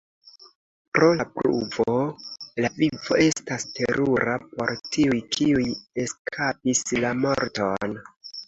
Pro la pluvo, la vivo estas terura por tiuj kiuj eskapis la morton.